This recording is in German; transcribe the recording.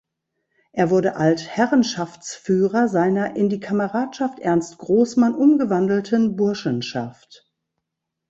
Er wurde Altherrenschaftsführer seiner in die "Kameradschaft Ernst Großmann" umgewandelten Burschenschaft.